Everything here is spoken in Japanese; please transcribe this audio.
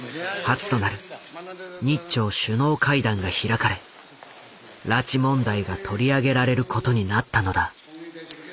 初となる日朝首脳会談が開かれ拉致問題が取り上げられることになったのだ。